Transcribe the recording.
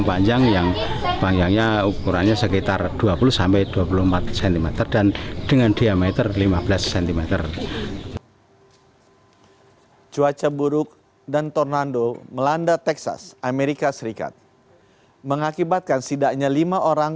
pemacat di tanah tersebut kemudian dicabut dan menutup benda diduga mortir tersebut menggunakan ban bekas